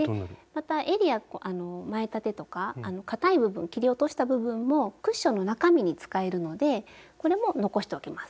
またえりや前立てとかかたい部分切り落とした部分もクッションの中身に使えるのでこれも残しておきます。